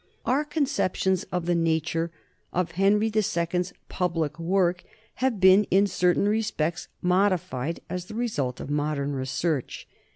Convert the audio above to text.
Our conceptions of the nature of Henry II 's public work have been in certain respects modified as the result of modern research.